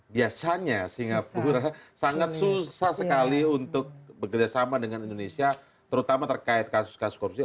biasanya singapura sangat susah sekali untuk bekerjasama dengan indonesia terutama terkait kasus kasus korupsi